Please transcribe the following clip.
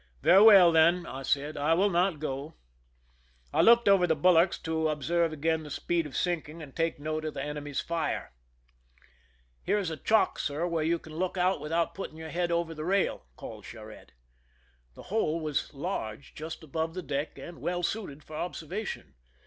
"Very well, then," I said; "I will not go." I looked over the bulwarks to observe again the speed of sinking and take note of the enemy's fire. " Here is a chock, sir, where you can look out without putting your head over the rail," called Oharette. The hole was large, just above the deck, and well suited for observation.